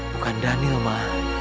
bukan daniel ma